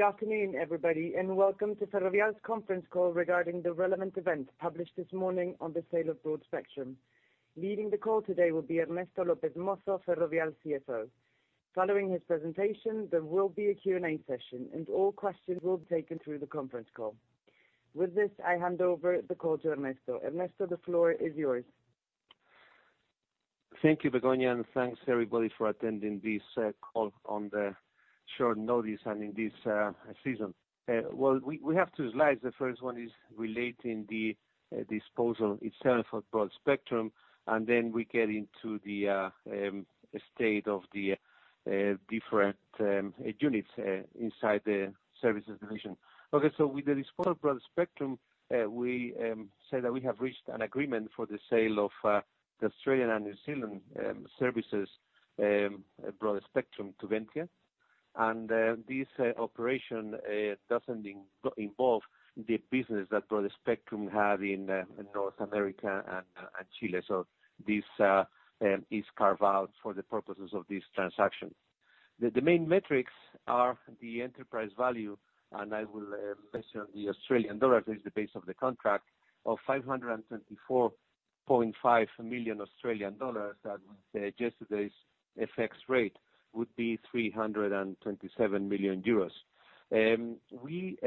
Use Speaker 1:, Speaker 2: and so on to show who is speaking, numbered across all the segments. Speaker 1: Good afternoon, everybody, and welcome to Ferrovial's conference call regarding the relevant event published this morning on the sale of Broadspectrum. Leading the call today will be Ernesto López Mozo, Ferrovial CFO. Following his presentation, there will be a Q&A session, and all questions will be taken through the conference call. With this, I hand over the call to Ernesto. Ernesto, the floor is yours.
Speaker 2: Thank you, Begoña, thanks everybody for attending this call on the short notice and in this season. Well, we have two slides. The first one is relating the disposal itself of Broadspectrum, then we get into the state of the different units inside the services division. Okay, with the disposal of Broadspectrum, we say that we have reached an agreement for the sale of the Australian and New Zealand services, Broadspectrum to Ventia. This operation doesn't involve the business that Broadspectrum have in North America and Chile. This is carved out for the purposes of this transaction. The main metrics are the enterprise value, I will mention the Australian dollar that is the base of the contract of 524.5 million Australian dollars. At yesterday's FX rate, would be 327 million euros. We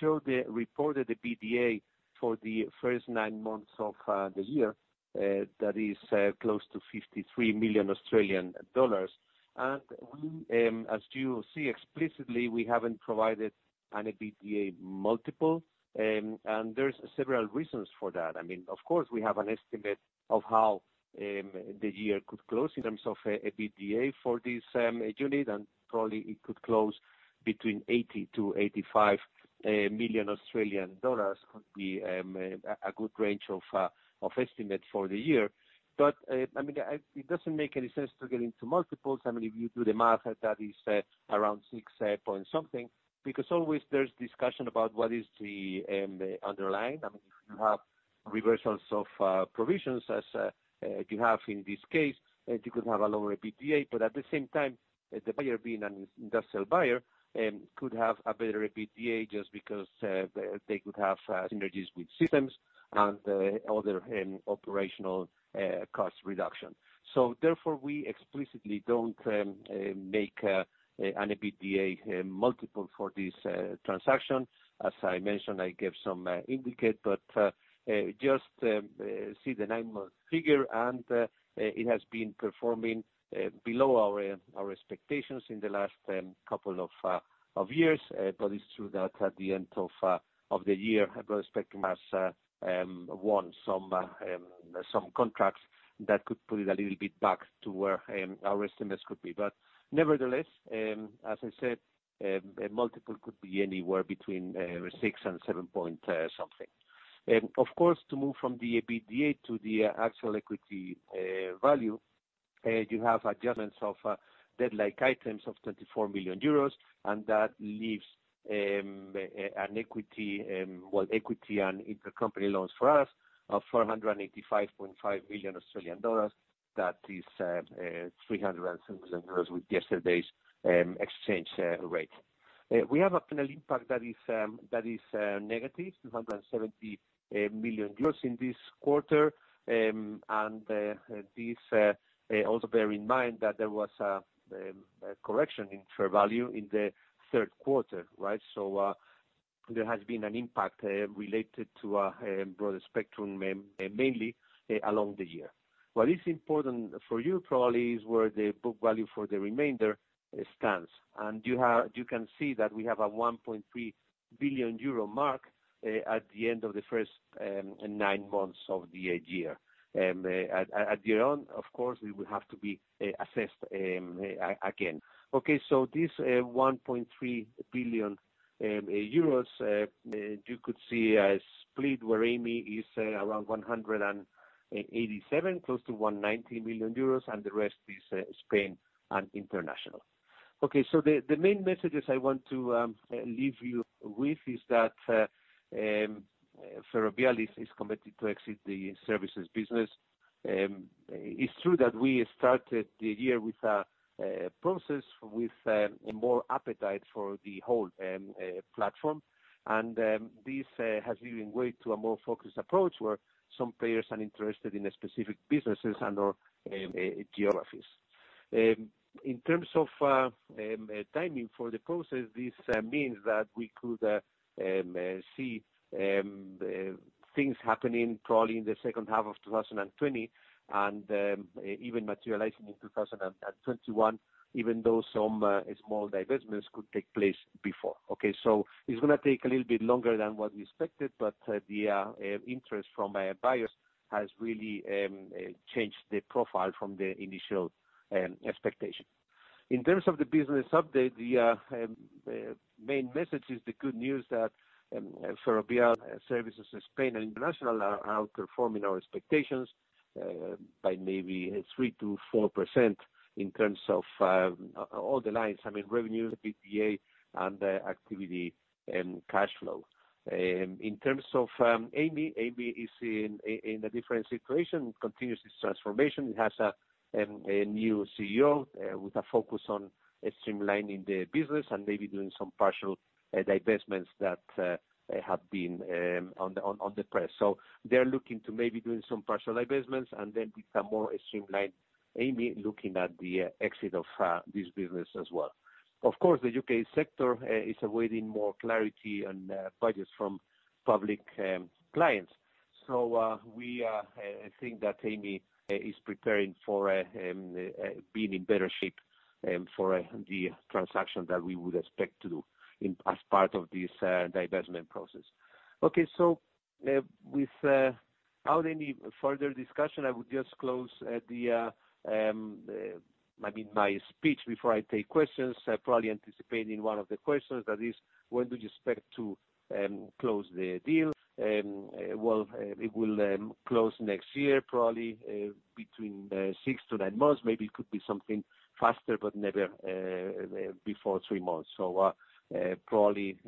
Speaker 2: showed the reported EBITDA for the first nine months of the year. That is close to AUD 53 million. As you see explicitly, we haven't provided an EBITDA multiple, and there's several reasons for that. Of course, we have an estimate of how the year could close in terms of EBITDA for this unit, and probably it could close between 80 million-85 million Australian dollars, could be a good range of estimate for the year. It doesn't make any sense to get into multiples. If you do the math, that is around six point something, because always there's discussion about what is the underlying. If you have reversals of provisions as you have in this case, you could have a lower EBITDA, but at the same time, the buyer being an industrial buyer could have a better EBITDA just because they could have synergies with systems and other operational cost reduction. Therefore, we explicitly don't make an EBITDA multiple for this transaction. As I mentioned, I give some indicate, just see the nine-month figure, and it has been performing below our expectations in the last couple of years. It's true that at the end of the year, Broadspectrum has won some contracts that could put it a little bit back to where our estimates could be. Nevertheless, as I said, multiple could be anywhere between six and seven point something. Of course, to move from the EBITDA to the actual equity value, you have adjustments of debt-like items of 24 million euros, and that leaves an equity, well, equity and intercompany loans for us of 485.5 million Australian dollars. That is 300 million euros with yesterday's exchange rate. We have a P&L impact that is negative, 270 million euros in this quarter. Also bear in mind that there was a correction in fair value in the third quarter, right? There has been an impact related to Broadspectrum mainly along the year. What is important for you probably is where the book value for the remainder stands. You can see that we have a 1.3 billion euro mark at the end of the first nine months of the year. At year-end, of course, we will have to be assessed again. Okay. This 1.3 billion euros you could see as split where Amey is around 187, close to 190 million euros, and the rest is Spain and international. Okay. The main messages I want to leave you with is that Ferrovial is committed to exit the services business. It's true that we started the year with a process with more appetite for the whole platform, and this has given way to a more focused approach where some players are interested in specific businesses and/or geographies. In terms of timing for the process, this means that we could see things happening probably in the second half of 2020 and even materializing in 2021, even though some small divestments could take place before. It's going to take a little bit longer than what we expected. The interest from buyers has really changed the profile from the initial expectation. In terms of the business update, the main message is the good news that Ferrovial Services Spain and international are outperforming our expectations by maybe 3%-4% in terms of all the lines, revenue, the EBITDA, and activity and cash flow. In terms of Amey is in a different situation. It continues its transformation. It has a new CEO with a focus on streamlining the business and maybe doing some partial divestments that have been on the press. They're looking to maybe do some partial divestments and then become more streamlined. Amey looking at the exit of this business as well. Of course, the U.K. sector is awaiting more clarity on budgets from public clients. We think that Amey is preparing for being in better shape for the transaction that we would expect to do as part of this divestment process. Okay. Without any further discussion, I would just close my speech before I take questions. Probably anticipating one of the questions, that is, when do you expect to close the deal? Well, it will close next year, probably between six to nine months. Maybe it could be something faster, but never before three months. Probably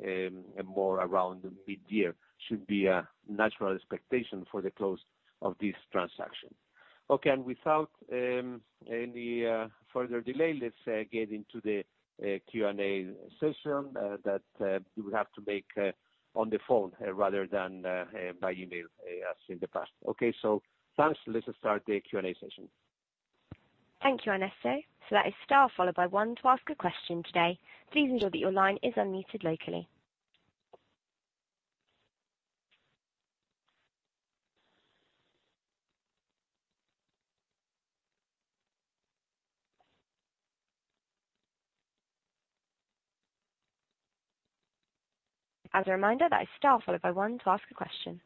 Speaker 2: more around mid-year should be a natural expectation for the close of this transaction. Without any further delay, let's get into the Q&A session that you will have to make on the phone rather than by email as in the past. Thanks. Let's start the Q&A session.
Speaker 3: Thank you, Ernesto. That is star followed by one to ask a question today. Please ensure that your line is unmuted locally. As a reminder, that is star followed by one to ask a question.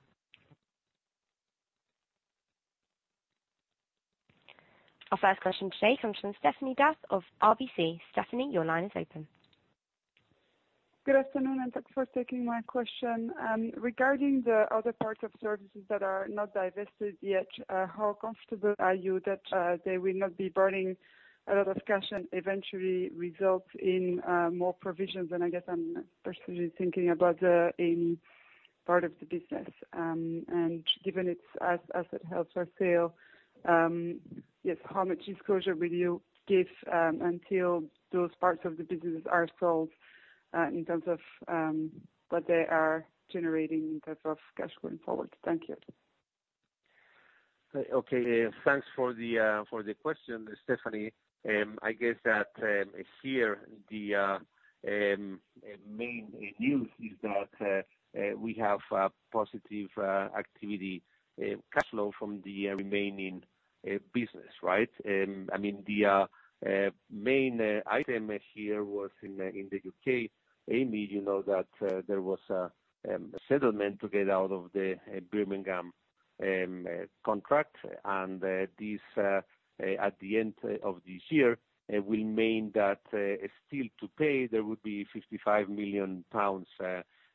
Speaker 3: Our first question today comes from Stéphanie d'Issalène of RBC. Stéphanie, your line is open.
Speaker 4: Good afternoon. Thanks for taking my question. Regarding the other parts of services that are not divested yet, how comfortable are you that they will not be burning a lot of cash and eventually result in more provisions? I guess I'm personally thinking about the Amey part of the business. Given its asset held for sale, yes, how much disclosure will you give until those parts of the businesses are sold, in terms of what they are generating in terms of cash going forward? Thank you.
Speaker 2: Thanks for the question, Stéphanie. I guess that here the main news is that we have positive activity cash flow from the remaining business, right? The main item here was in the U.K., Amey, you know that there was a settlement to get out of the Birmingham contract. This, at the end of this year, will mean that still to pay, there would be 55 million pounds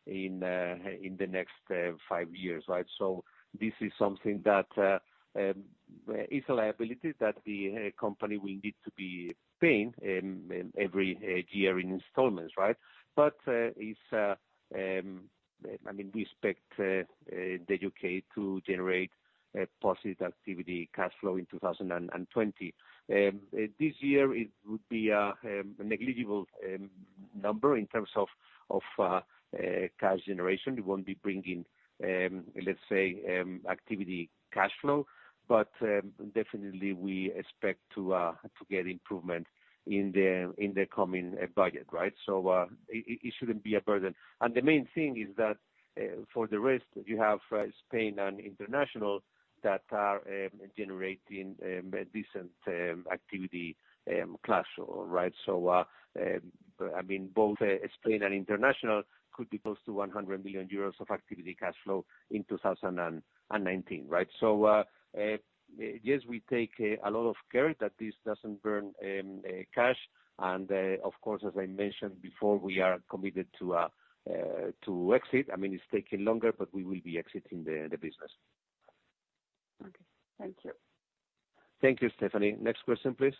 Speaker 2: in the next five years. This is something that is a liability that the company will need to be paying every year in installments. We expect the U.K. to generate positive activity cash flow in 2020. This year it would be a negligible number in terms of cash generation. We won't be bringing, let's say, activity cash flow, but definitely we expect to get improvement in the coming budget. It shouldn't be a burden. The main thing is that for the rest, you have Spain and international that are generating a decent activity cash flow. Both Spain and international could be close to 100 million euros of activity cash flow in 2019. Yes, we take a lot of care that this doesn't burn cash, and of course, as I mentioned before, we are committed to exit. It's taking longer, but we will be exiting the business.
Speaker 4: Okay. Thank you.
Speaker 2: Thank you, Stéphanie. Next question please.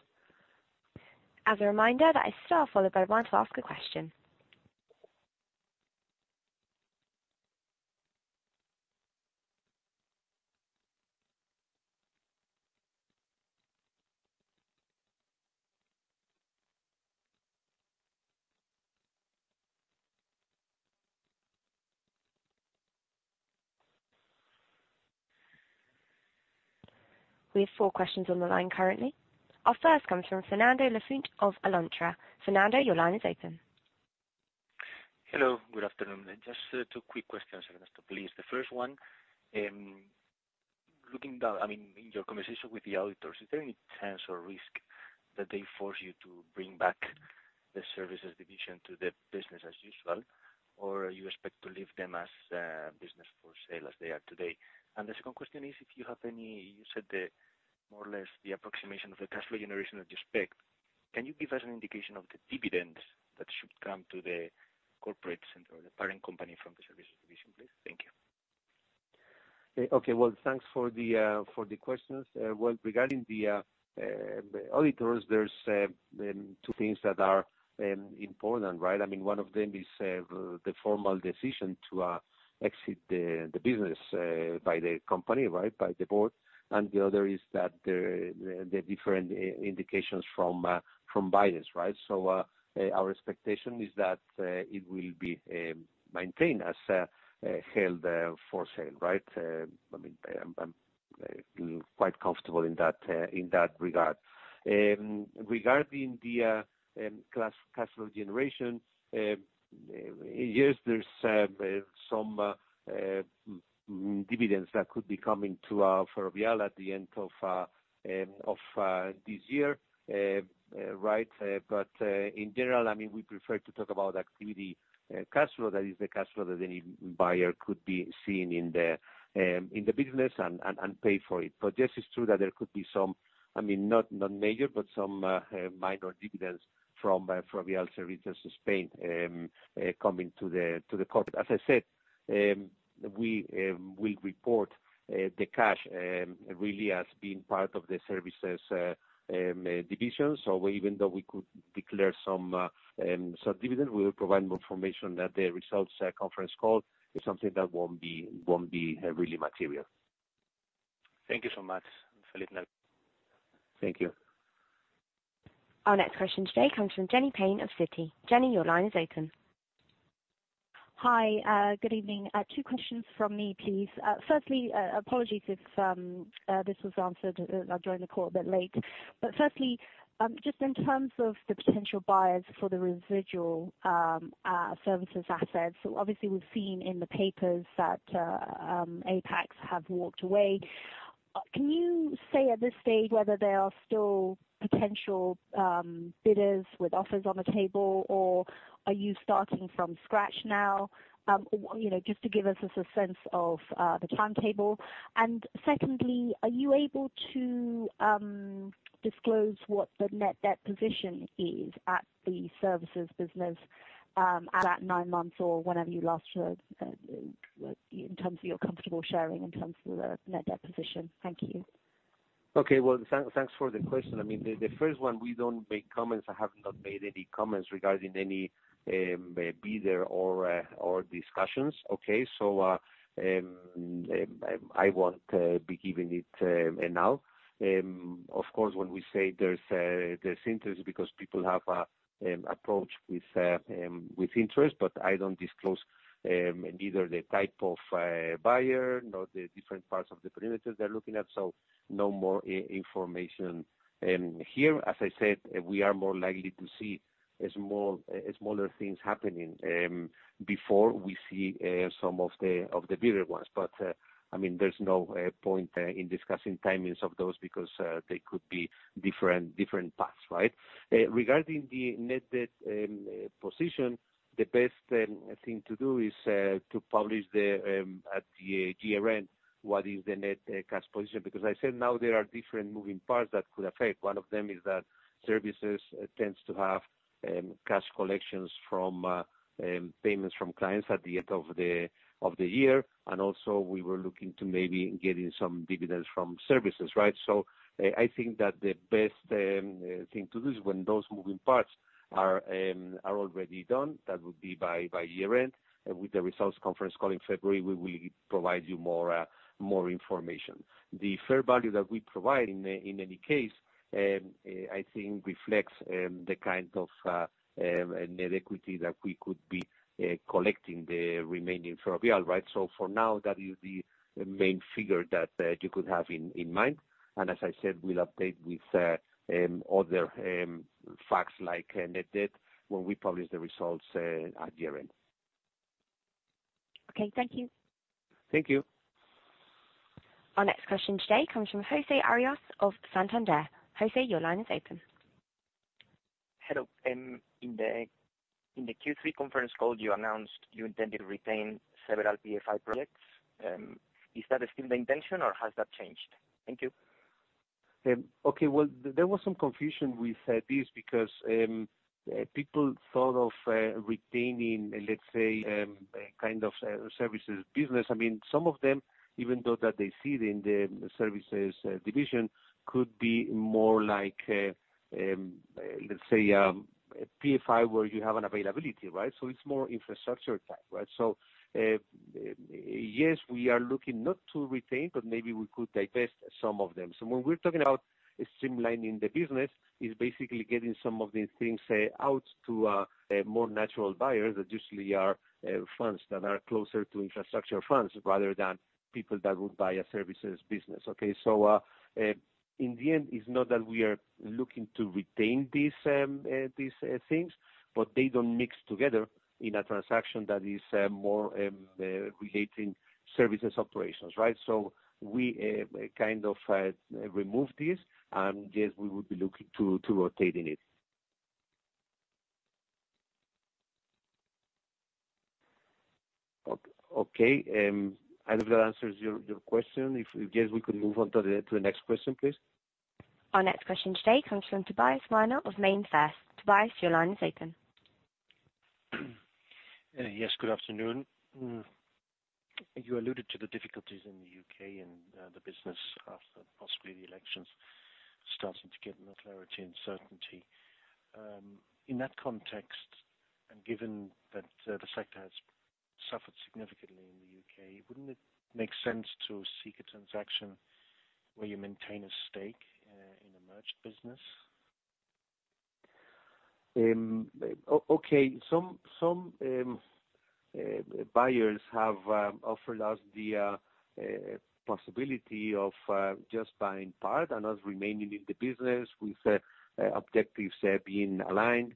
Speaker 3: As a reminder, that is star followed by one to ask a question. We have four questions on the line currently. Our first comes from Fernando Lafuente of Alantra. Fernando, your line is open.
Speaker 5: Hello. Good afternoon. Just two quick questions, Ernesto, please. The first one, in your conversation with the auditors, is there any chance or risk that they force you to bring back the services division to the business as usual, or you expect to leave them as held for sale as they are today? The second question is if you have any, you said More or less the approximation of the cash flow generation that you expect. Can you give us an indication of the dividends that should come to the corporate center or the parent company from the services division, please? Thank you.
Speaker 2: Well, thanks for the questions. Regarding the auditors, there's two things that are important, right? One of them is the formal decision to exit the business by the company, by the board. The other is that the different indications from buyers. Our expectation is that it will be maintained as held for sale. I'm quite comfortable in that regard. Regarding the cash flow generation, yes, there's some dividends that could be coming to our Ferrovial at the end of this year. In general, we prefer to talk about activity cash flow. That is the cash flow that any buyer could be seeing in the business and pay for it. Yes, it's true that there could be some, not major, but some minor dividends from Ferrovial Services Spain coming to the corporate. As I said, we will report the cash really as being part of the services division. Even though we could declare some dividend, we will provide more information at the results conference call. It's something that won't be really material.
Speaker 5: Thank you so much.
Speaker 2: Thank you.
Speaker 3: Our next question today comes from Jenny Payne of Citi. Jenny, your line is open.
Speaker 6: Hi, good evening. Two questions from me, please. Firstly, apologies if this was answered, I joined the call a bit late. Firstly, just in terms of the potential buyers for the residual services assets, obviously we've seen in the papers that Apax have walked away. Can you say at this stage whether there are still potential bidders with offers on the table, or are you starting from scratch now? Just to give us a sense of the timetable. Secondly, are you able to disclose what the net debt position is at the services business at that nine months, or whenever you last heard, in terms of you're comfortable sharing in terms of the net debt position? Thank you.
Speaker 2: Okay. Well, thanks for the question. The first one, we don't make comments. I have not made any comments regarding any bidder or discussions. I won't be giving it now. Of course, when we say there's interest because people have approach with interest, but I don't disclose neither the type of buyer, nor the different parts of the perimeter they're looking at. No more information. Here, as I said, we are more likely to see smaller things happening before we see some of the bigger ones. There's no point in discussing timings of those because they could be different paths. Regarding the net debt position, the best thing to do is to publish at the year-end what is the net cash position. I said now there are different moving parts that could affect. One of them is that services tends to have cash collections from payments from clients at the end of the year, and also we were looking to maybe getting some dividends from services. I think that the best thing to do is when those moving parts are already done, that would be by year-end, with the results conference call in February, we will provide you more information. The fair value that we provide in any case, I think reflects the kind of net equity that we could be collecting the remaining Ferrovial. For now, that is the main figure that you could have in mind. As I said, we'll update with other facts like net debt when we publish the results at year-end.
Speaker 6: Okay. Thank you.
Speaker 2: Thank you.
Speaker 3: Our next question today comes from José Arroyas of Santander. José, your line is open.
Speaker 7: Hello. In the Q3 conference call, you announced you intended to retain several PFI projects. Is that still the intention or has that changed? Thank you.
Speaker 2: Okay. Well, there was some confusion with this because people thought of retaining, let's say, a kind of services business. Some of them, even though that they sit in the services division, could be more like, let's say, PFI, where you have an availability. It's more infrastructure type. Yes, we are looking not to retain, but maybe we could divest some of them. When we're talking about streamlining the business, it's basically getting some of these things out to more natural buyers that usually are funds that are closer to infrastructure funds rather than people that would buy a services business. In the end, it's not that we are looking to retain these things, but they don't mix together in a transaction that is more relating services operations. We kind of remove this, and yes, we would be looking to rotating it. Okay. I hope that answers your question. If yes, we could move on to the next question, please.
Speaker 3: Our next question today comes from Tobias Minor of MainFirst. Tobias, your line is open.
Speaker 8: Yes, good afternoon. You alluded to the difficulties in the U.K. and the business after, possibly, the elections starting to get more clarity and certainty. In that context, given that the sector has suffered significantly in the U.K., wouldn't it make sense to seek a transaction where you maintain a stake in a merged business?
Speaker 2: Some buyers have offered us the possibility of just buying part and us remaining in the business with objectives being aligned.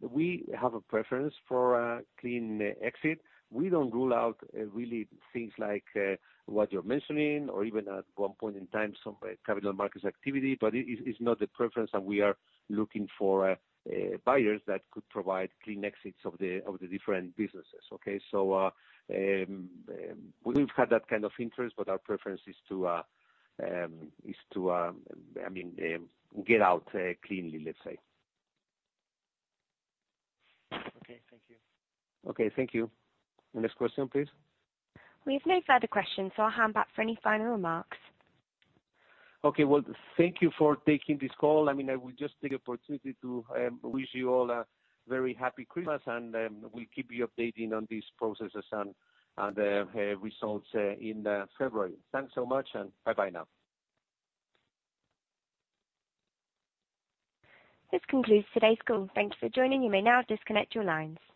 Speaker 2: We have a preference for a clean exit. We don't rule out really things like what you're mentioning or even at one point in time, some capital markets activity. It's not the preference, and we are looking for buyers that could provide clean exits of the different businesses. We've had that kind of interest, but our preference is to get out cleanly.
Speaker 8: Okay. Thank you.
Speaker 2: Okay. Thank you. Next question, please.
Speaker 3: We have no further questions. I'll hand back for any final remarks.
Speaker 2: Okay. Well, thank you for taking this call. I will just take the opportunity to wish you all a very happy Christmas, and we'll keep you updated on these processes and the results in February. Thanks so much, and bye bye now.
Speaker 3: This concludes today's call. Thank you for joining. You may now disconnect your lines.